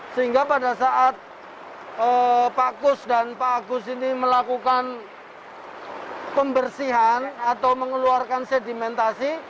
sehingga pada saat pak kus dan pak agus ini melakukan pembersihan atau mengeluarkan sedimentasi